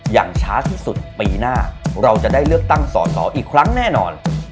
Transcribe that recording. อย่างช้าที่สุดปีหน้าเราจะได้เลือกตั้งสอสออีกครั้งแน่นอน